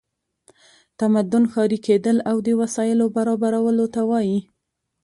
تمدن ښاري کیدل او د وسایلو برابرولو ته وایي.